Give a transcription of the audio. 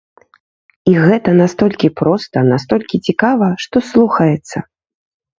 І гэта настолькі проста, настолькі цікава, што слухаецца!